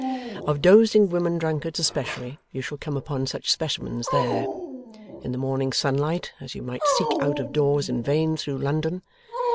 Of dozing women drunkards especially, you shall come upon such specimens there, in the morning sunlight, as you might seek out of doors in vain through London.